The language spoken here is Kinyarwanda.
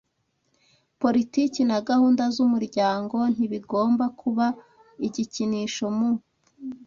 politiki na gahunda z'umuryango ntibigomba kuba igikinisho mu